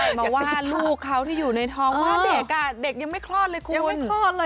แต่ว่าลูกเขาที่อยู่ในท้องว่าเด็กยังไม่คลอดเลยคุณ